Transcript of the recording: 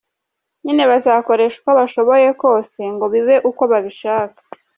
Nyine bazakoresha uko bashoboye kose ngo bibe uko babishaka”.